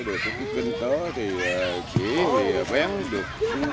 để đề con cũng không có thì chỉ về vén